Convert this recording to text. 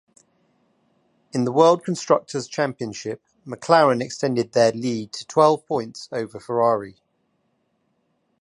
In the World Constructors Championship, McLaren extended their lead to twelve points over Ferrari.